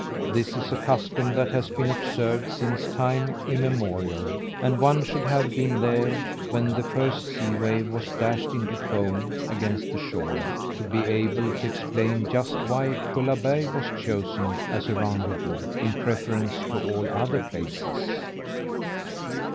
This is a custom that has been observed since time immemorial; and one should have been there when the first sea wave was dashed into foam against the shore, to be able to explain just why Kullaberg was chosen as a rendezvous, in preference to all other places.